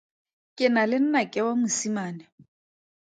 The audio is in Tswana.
Ke na le nnake wa mosimane.